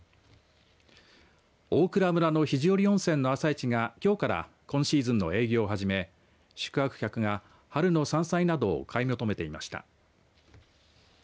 大蔵村の肘折温泉の朝市がきょうから今シーズンの営業をはじめ宿泊客が、春の山菜などを買い求めていました。